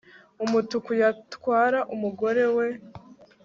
umutuku yatwara umugore we